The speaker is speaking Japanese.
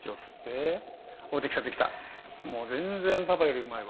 もう全然パパよりうまいわ！